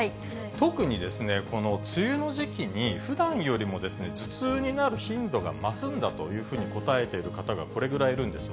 特に、この梅雨の時期にふだんよりも頭痛になる頻度が増すんだというふうに答えている方がこれぐらいいるんですよ。